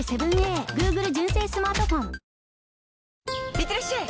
いってらっしゃい！